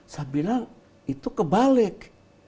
saya bilang itu kebalik